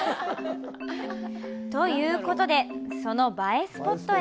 ということで、その映えスポットへ。